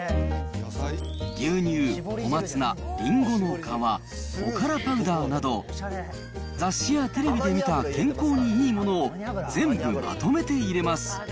牛乳、小松菜、リンゴの皮、おからパウダーなど、雑誌やテレビで見た健康にいいものを全部まとめて入れます。